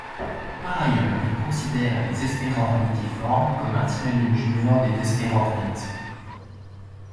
Par ailleurs il considère les Hesperornithiformes comme un synonyme junior des Hesperornithes.